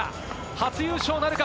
初優勝なるか？